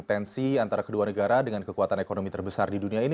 tensi antara kedua negara dengan kekuatan ekonomi terbesar di dunia ini